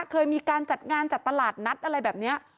เคยมีการจัดงานจัดตลาดนัดอะไรแบบนี้